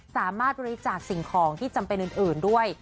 สามารถบริจาคสิ่งของที่จำเป็นอื่นด้วย